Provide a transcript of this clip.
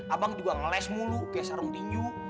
abang juga ngeles mulu kayak sarung tinju